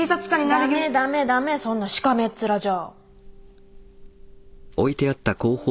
駄目駄目駄目そんなしかめっ面じゃ。